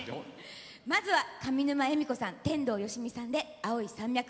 まずは上沼恵美子さん天童よしみさんで「青い山脈」。